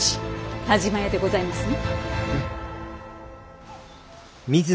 田嶋屋でございますね。